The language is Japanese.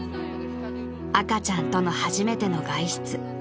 ［赤ちゃんとの初めての外出］